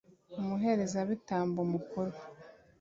umuherezabitambo mukuru